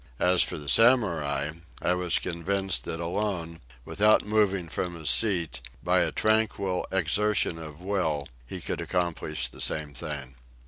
As for the Samurai, I was convinced that alone, not moving from his seat, by a tranquil exertion of will, he could accomplish the same thing.